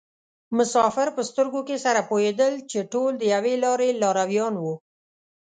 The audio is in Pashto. مسافر په سترګو کې سره پوهېدل چې ټول د یوې لارې لارویان وو.